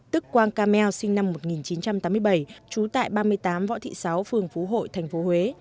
tức quang camel sinh năm một nghìn chín trăm tám mươi bảy trú tại ba mươi tám võ thị sáu phường phú hội thành phố huế